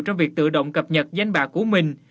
trong việc tự động cập nhật danh bạ của mình